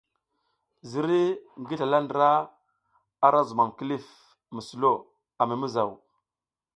Ziriy ngi slala ndra ara zumam kilif mi sulo a mi mizaw.